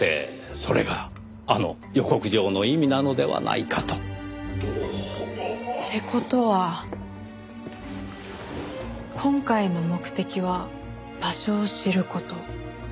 それがあの予告状の意味なのではないかと。って事は今回の目的は場所を知る事。